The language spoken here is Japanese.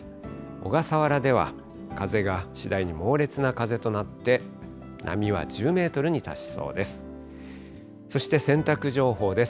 小笠原では風が次第に猛烈な風となって、波は１０メートルに達しそうです。